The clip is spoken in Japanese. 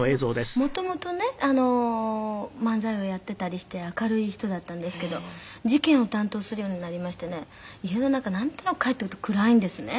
「元々ね漫才をやっていたりして明るい人だったんですけど事件を担当するようになりましてね家の中なんとなく帰ってくると暗いんですね」